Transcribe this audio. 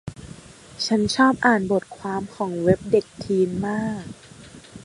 ฉันชอบอ่านบทความของเว็บเด็กทีนมาก